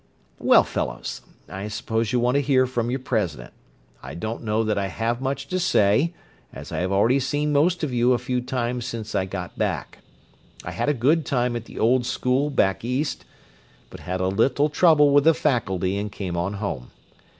Well, fellows, I suppose you want to hear from your president. I don't know that I have much to say, as I have already seen most of you a few times since I got back. I had a good time at the old school, back East, but had a little trouble with the faculty and came on home.